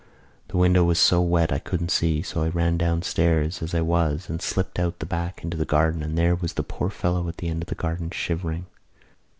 The window was so wet I couldn't see so I ran downstairs as I was and slipped out the back into the garden and there was the poor fellow at the end of the garden, shivering."